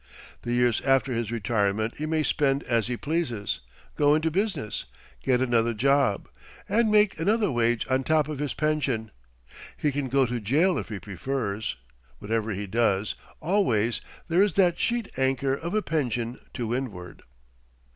The years after his retirement he may spend as he pleases go into business, get another job, and make another wage on top of his pension. He can go to jail if he prefers: whatever he does, always there is that sheet anchor of a pension to windward.